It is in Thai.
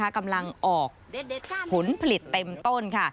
กำลังออกผลผลิตเต็มต้นค่ะ